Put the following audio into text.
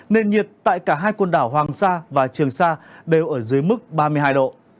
nền nhiệt tại cả hai quần đảo hoàng sa và trường sa đều ở dưới mức ba mươi hai độ